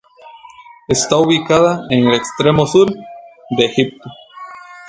Está ubicada en el extremo sur de Egipto.